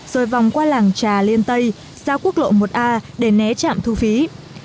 rồi vòng qua làng trà liên tây xa quốc lộ một a để né tránh chạm